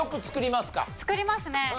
作りますね。